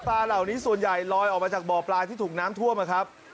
ปลาเหล่านี้ส่วนใหญ่ลอยออกมาจากบ่อปลาที่ถูกน้ำท่วมนะครับ